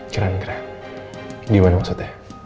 keren keren ini dimana maksudnya